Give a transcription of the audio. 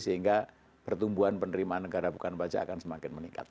sehingga pertumbuhan penerimaan negara bukan pajak akan semakin meningkat